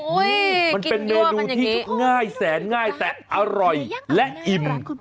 โอ้โฮมันเป็นเนื้อดูที่ง่ายแสนง่ายแต่อร่อยและอิ่มคุณป้าแกน่ารัก